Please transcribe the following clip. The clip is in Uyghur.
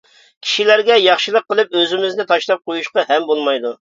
كىشىلەرگە ياخشىلىق قىلىپ ئۆزىمىزنى تاشلاپ قويۇشقا ھەم بولمايدۇ.